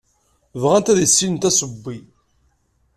Bɣant ad issinent asewwi.